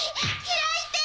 開いて！